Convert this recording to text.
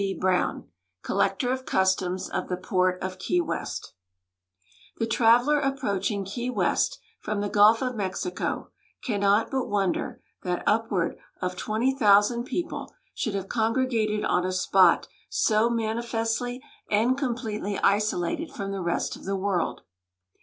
Browne, Collector of Customs of the Port of Key Tlesi The traveler aiDproacliing Key West from the gulf of Mexico cannot but wonder that upward of twenty thousand jDeople should have congregated on a spot so manifestly and completely isolated from the rest of the world.